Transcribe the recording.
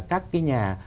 các cái nhà